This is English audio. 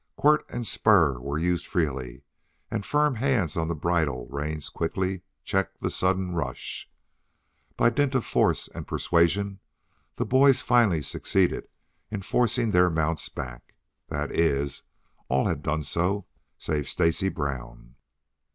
Quirt and spur were used freely, and firm hands on the bridle reins quickly checked the sudden rush. By dint of force and persuasion the boys finally succeeded in forcing their mounts back. That is, all had done so save Stacy Brown.